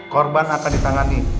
korban akan ditangani